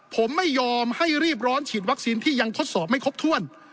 ผมไม่ยอมให้รีบร้อนฉีดวัคซีนที่ยังทดสอบไม่ครบถ้วน